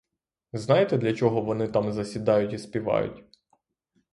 Знаєте, для чого вони там засідають і співають?